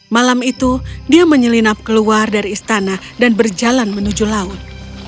malam itu dia menyelinap keluar dari istana dan berjalan menuju laut